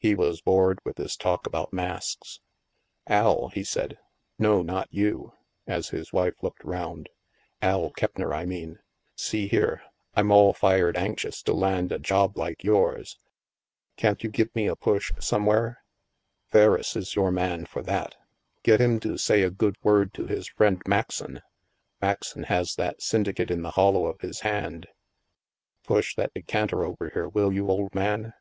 He was bored with this talk about masks. " Al," he said, " no, not you " (as his wife looked round), " Al Keppner, I mean. See here, Fm all fired anxious to land a job like yours. Can't you give me a push somewhere? "" Ferriss is your man for that. Get him to say a good word to his friend, Maxon. Maxon has that syndicate in the hollow of his hand. Push that de canter over here, will you, old man